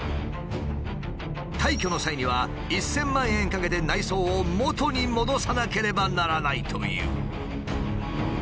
退去の際には１，０００万円かけて内装を元に戻さなければならないという。